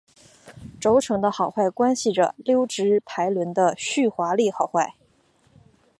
轴承的好坏关系着溜直排轮的续滑力好坏。